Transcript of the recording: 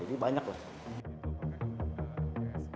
jadi banyak loh